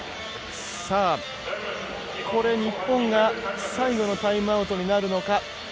これ、日本が最後のタイムアウトになるのか。